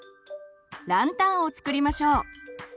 ランタンを作りましょう。